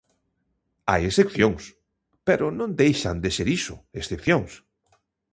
Hai excepcións, pero non deixan de ser iso, excepcións.